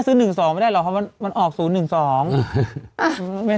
ซื้อหนึ่งสองไม่ได้หรอกเพราะว่ามันออกศูนย์หนึ่งสองไม่